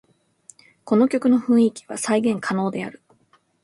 この曲の雰囲気は再現可能である